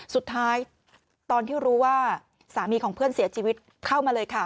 สุดท้ายตอนที่รู้ว่าสามีของเพื่อนเสียชีวิตเข้ามาเลยค่ะ